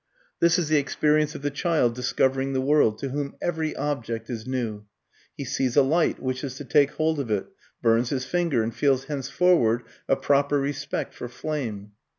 This is the experience of the child discovering the world, to whom every object is new. He sees a light, wishes to take hold of it, burns his finger and feels henceforward a proper respect for flame.